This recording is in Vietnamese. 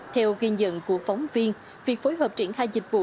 theo ghi nhận của phóng viên việc phối hợp triển khai dịch vụ